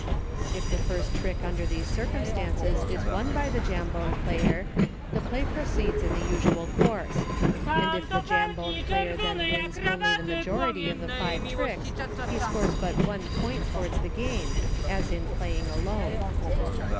If the first trick under these circumstances is won by the Jambone player, the play pro ceeds in the usual course ; and if the Jambone player then wins only the majority of the five tricks, he scores but one point towards game, as in Playing Alone.